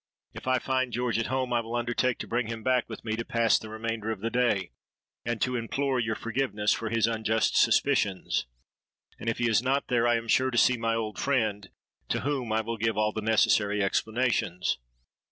If I find George at home, I will undertake to bring him back with me to pass the remainder of the day, and to implore your forgiveness for his unjust suspicions; and if he is not there, I am sure to see my old friend, to whom I will give all the necessary explanations.'